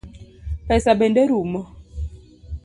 Pesa bende rumo.